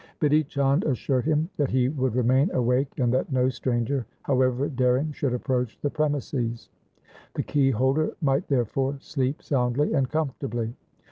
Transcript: Bidhi Chand assured him that he would remain awake and that no stranger, however daring, should approach the premises. The key holder might therefore sleep soundly and comfortably.